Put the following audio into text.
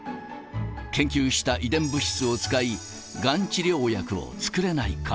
研究した遺伝物質を使い、がん治療薬を作れないか。